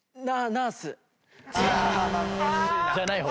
じゃない方。